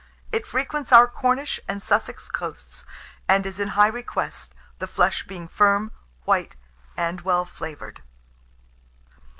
It frequents our Cornish and Sussex coasts, and is in high request, the flesh being firm, white, and well flavoured.